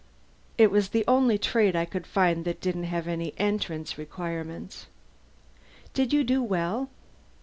It was the only trade I could find that didn't have any entrance requirements." "Did you do well?"